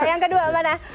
yang kedua mana